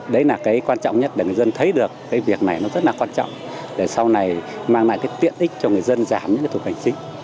đấy là cái quan trọng nhất để người dân thấy được cái việc này nó rất là quan trọng để sau này mang lại cái tiện ích cho người dân giảm những cái thủ tục hành chính